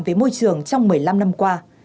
với môi trường trong một mươi năm năm qua